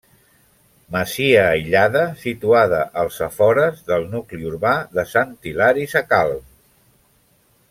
Masia aïllada situada als afores del nucli urbà de Sant Hilari Sacalm.